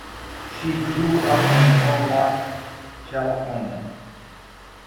She grew up in Norwalk, California.